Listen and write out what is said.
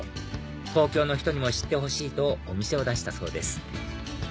東京の人にも知ってほしいとお店を出したそうです